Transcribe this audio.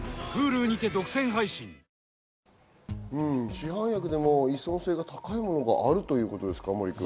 市販薬でも依存性が高いものがあるんですか？